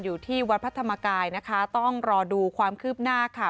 อยู่ที่วัดพระธรรมกายนะคะต้องรอดูความคืบหน้าค่ะ